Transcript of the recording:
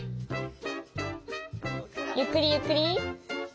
ゆっくりゆっくり。